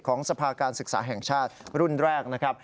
สภาการศึกษาแห่งชาติรุ่นแรกนะครับ